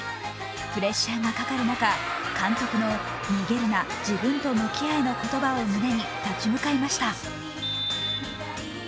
プレッシャーがかかる中、監督の「逃げるな自分と向き合え」の言葉を胸に立ち向かいました。